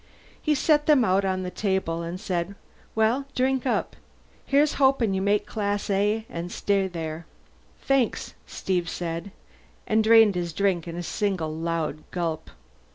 He set them out on the table and said, "Well, drink up. Here's hoping you make Class A and stay there." "Thanks," Steve said, and drained his drink in a single loud gulp.